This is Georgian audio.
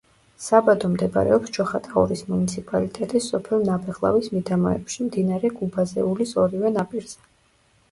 საბადო მდებარეობს ჩოხატაურის მუნიციპალიტეტის სოფელ ნაბეღლავის მიდამოებში, მდინარე გუბაზეულის ორივე ნაპირზე.